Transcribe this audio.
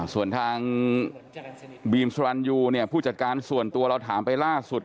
ส่วนทางบีมสรรยูเนี่ยผู้จัดการส่วนตัวเราถามไปล่าสุด